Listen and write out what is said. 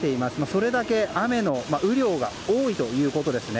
それだけ雨の雨量が多いということですね。